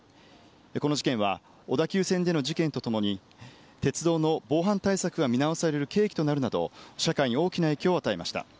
この事件は小田急線での事件とともに、鉄道の防犯対策が見直される契機となるなど、社会に大きな影響を与えました。